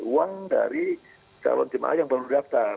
uang dari calon jemaah yang baru daftar